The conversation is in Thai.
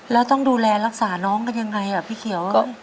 แล้วต้องดูแลรักษาน้องกันยังไงพี่เขียว